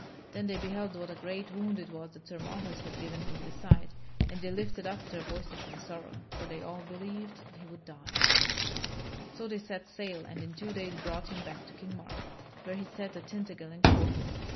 Then they beheld what a great wound it was that Sir Marhaus had given him in the side, and they lifted up their voices in sorrow, for they all believed that he would die. [Sidenote: Sir Tristam returns to Cornwall] So they set sail, and in two days brought him back to King Mark, where he sat at Tintagel in Cornwall.